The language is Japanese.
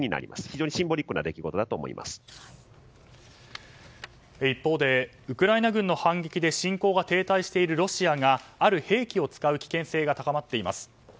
非常にシンボリックな一方で、ウクライナ軍の反撃で侵攻が停滞しているロシアがある兵器を使う危険性が高まっています。